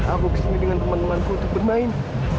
aku kesini dengan teman temanku untuk bermain